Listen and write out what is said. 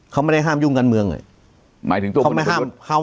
เขาไม่ได้ห้ามยุ่งกันเมืองไงหมายถึงตัวคนเอกประยุทธ